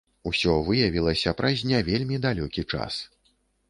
Усё выявілася праз не вельмі далёкі час.